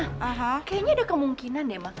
kayanya ada kemungkinan ya ma